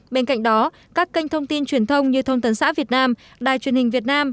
bên cạnh đó các kênh thông tin truyền thông như thông tấn xã việt nam đài truyền hình việt nam